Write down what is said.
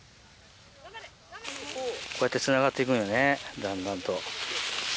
こうやってつながっていくのよね、だんだんと。